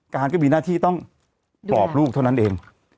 การก็มีหน้าที่ต้องปลอบลูกเท่านั้นเอง